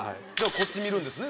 こっち見るんですね